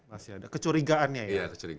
masih ada kecurigaannya ya